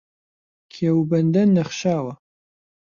کێو و بەندەن نەخشاوە